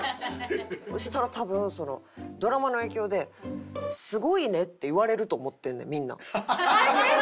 そしたら多分ドラマの影響で「すごいね」って言われると思ってんねんみんな。